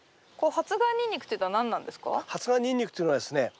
発芽ニンニクっていうのはですね